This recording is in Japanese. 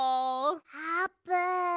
あーぷん。